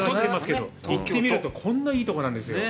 行ってみるとこんないいところなんですよ。